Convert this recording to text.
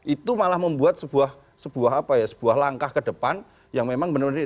itu malah membuat sebuah apa ya sebuah langkah ke depan yang memang benar benar